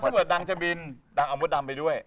ถ้าเกิดดังจะบินดังเอามดดำไปด้วย